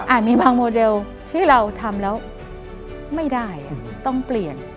มีบางโมเดลที่เราทำแล้วไม่ได้ต้องเปลี่ยน